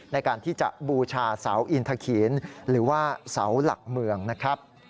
ในการที่จะบูชาเสาอินทะขีนหรือว่าเสาหลักเมืองนะครับ